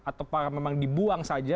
atau memang dibuang saja